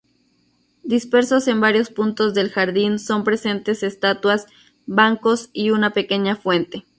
Dispersos en varios puntos del jardín son presentes estatuas, bancos y una pequeña fuente.